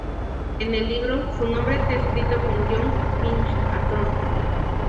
En el libro, su nombre está escrito con guion: Finch-Hatton.